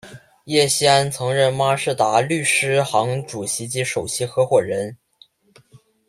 叶锡安曾任孖士打律师行主席及首席合夥人。